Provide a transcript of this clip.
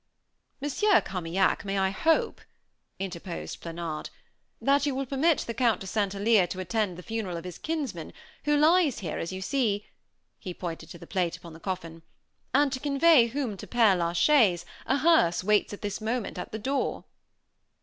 "Monsieur Carmaignac, may I hope," interposed Planard, "that you will permit the Count de St. Alyre to attend the funeral of his kinsman, who lies here, as you see " (he pointed to the plate upon the coffin) "and to convey whom to Pere la Chaise, a hearse waits at this moment at the door."